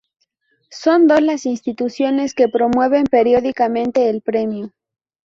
Son dos las instituciones que promueven periódicamente el Premio.